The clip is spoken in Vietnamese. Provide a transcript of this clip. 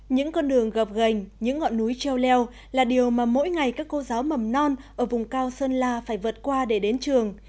những con đường gập gành những ngọn núi treo leo là điều mà mỗi ngày các cô giáo mầm non ở vùng cao sơn la phải vượt qua để đến trường